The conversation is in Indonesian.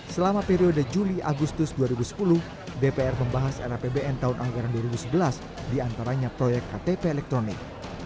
selama periode juli agustus dua ribu sepuluh dpr membahas rapbn tahun anggaran dua ribu sebelas diantaranya proyek ktp elektronik